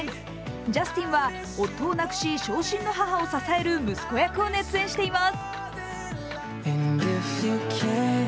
ジャスティンは夫を亡くし傷心の母を支える息子役を熱演しています。